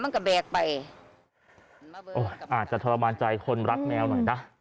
อาจจะทรมานใจคนรักแมวหน่อยนะ